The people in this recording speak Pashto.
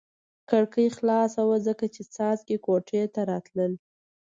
کړکۍ خلاصه وه ځکه یې څاڅکي کوټې ته راتلل.